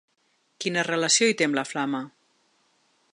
Quina relació hi té amb la flama?